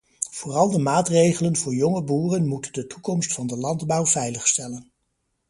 Vooral de maatregelen voor jonge boeren moeten de toekomst van de landbouw veiligstellen.